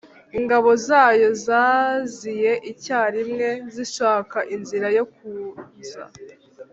Ingabo zayo zaziye icyarimwe Zishaka inzira yo kuza